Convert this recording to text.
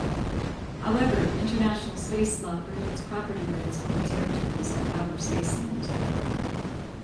However, international space law prohibits property rights over territories and outer space land.